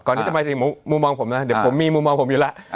ก่อนนี้จะมาจากมุมมองผมแล้วเดี๋ยวผมมีมุมมองผมอยู่ละ